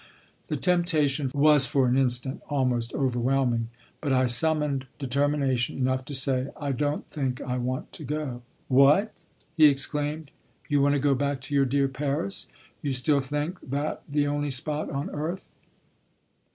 The temptation was for an instant almost overwhelming, but I summoned determination enough to say: "I don't think I want to go." "What!" he exclaimed, "you want to go back to your dear Paris? You still think that the only spot on earth?